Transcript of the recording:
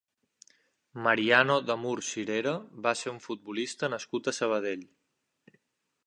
Mariano de Mur Cirera va ser un futbolista nascut a Sabadell.